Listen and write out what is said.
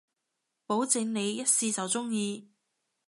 保證你一試就中意